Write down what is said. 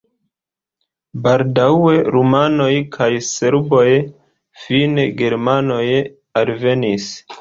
Baldaŭe rumanoj kaj serboj, fine germanoj alvenis.